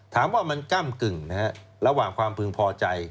ถามว่ามันก้ำกึ่งนะฮะระหว่างความพึงพอใจ